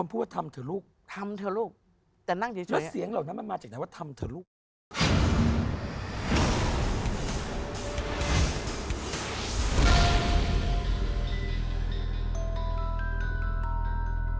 โปรดติดตามต่อไป